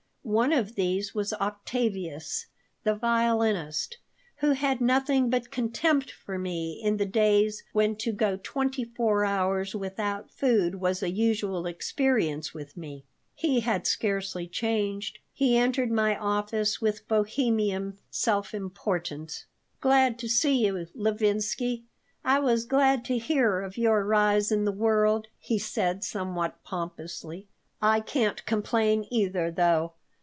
One of these was Octavius, the violinist, who had had nothing but contempt for me in the days when to go twenty four hours without food was a usual experience with me. He had scarcely changed. He entered my office with bohemian self importance "Glad to see you, Levinsky. I was glad to hear of your rise in the world," he said, somewhat pompously. "I can't complain, either, though.